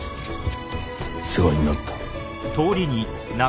世話になった。